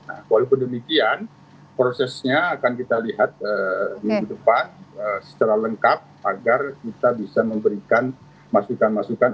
nah walaupun demikian prosesnya akan kita lihat minggu depan secara lengkap agar kita bisa memberikan masukan masukan